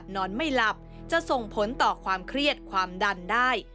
นอนไม่หลับจะส่งผลต่อความเครียดความดันได้